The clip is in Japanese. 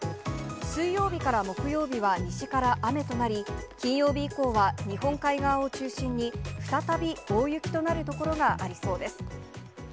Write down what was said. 水曜日から木曜日は西から雨となり、金曜日以降は日本海側を中心に、再び大雪となる所がありそうです。